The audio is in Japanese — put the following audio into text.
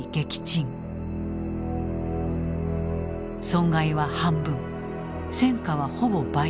損害は半分戦果はほぼ倍。